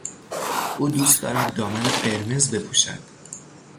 او دوست دارد دامن قرمز بپوشد.